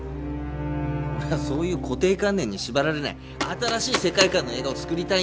俺はそういう固定観念に縛られない新しい世界観の映画を作りたいんですよ！